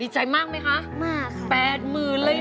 ดีใจมากไหมคะ